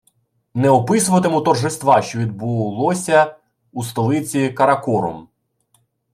Не описуватиму торжества, що відбулося у столиці Каракорум